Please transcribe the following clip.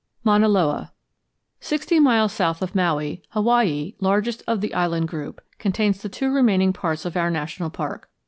MAUNA LOA Sixty miles south of Maui, Hawaii, largest of the island group, contains the two remaining parts of our national park.